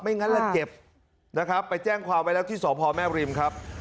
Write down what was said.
งั้นแหละเจ็บนะครับไปแจ้งความไว้แล้วที่สพแม่บริมครับ